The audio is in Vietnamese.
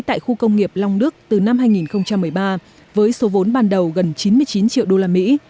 tại khu công nghiệp long đức từ năm hai nghìn một mươi ba với số vốn ban đầu gần chín mươi chín triệu đô la mỹ